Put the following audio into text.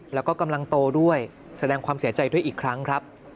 แล้วก็กำลังโตด้วยแสดงความเสียใจด้วยอีกครั้งครับ